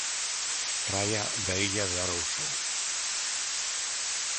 Praia da Illa de Arousa.